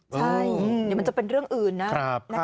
ใช่เดี๋ยวมันจะเป็นเรื่องอื่นนะ